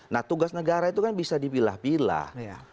nah tugas negara itu kan bisa dipilah pilah